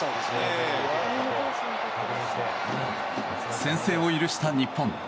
先制を許した日本。